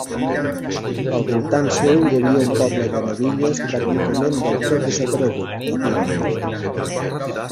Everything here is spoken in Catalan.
Al voltant seu hi havia el poble de Nabilles, pràcticament del tot desaparegut, avui dia.